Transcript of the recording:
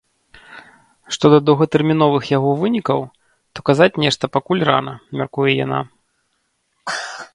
Што да доўгатэрміновых яго вынікаў, то казаць нешта пакуль рана, мяркуе яна.